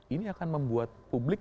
ini akan membuat publik